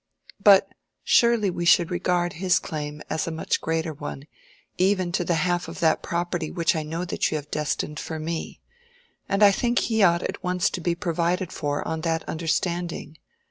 "But surely we should regard his claim as a much greater one, even to the half of that property which I know that you have destined for me. And I think he ought at once to be provided for on that understanding.